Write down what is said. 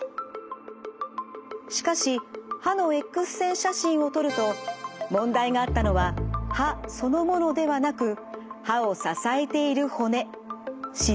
しかし歯のＸ線写真を撮ると問題があったのは歯そのものではなく歯を支えている骨歯槽骨でした。